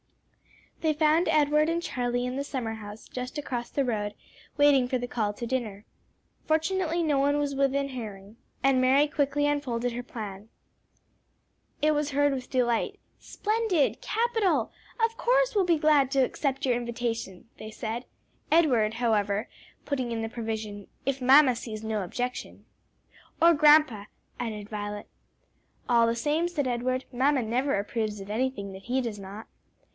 They found Edward and Charlie in the summer house, just across the road, waiting for the call to dinner. Fortunately no one was within hearing, and Mary quickly unfolded her plan. It was heard with delight. "Splendid! Capital! Of course we'll be glad to accept your invitation," they said: Edward, however, putting in the provision, "If mamma sees no objection." "Or grandpa," added Violet. "All the same," said Edward; "mamma never approves of anything that he does not."